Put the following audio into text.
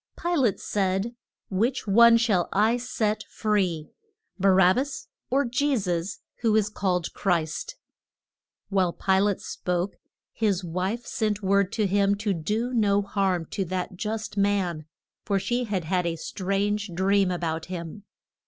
Pi late said, Which one shall I set free Ba rab bas, or Je sus, who is called Christ? [Illustration: PI LATE WASH ING HIS HANDS.] While Pi late spoke, his wife sent word to him to do no harm to that just man, for she had had a strange dream a bout him.